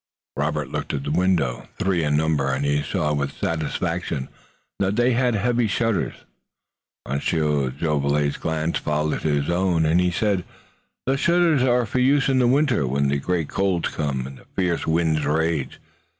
Robert looked at the windows, three in number, and he saw with satisfaction that they had heavy shutters. Monsieur Jolivet's glance followed his own, and he said: "The shutters are for use in the winter, when the great colds come, and the fierce winds rage.